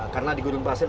karena di gunung prasir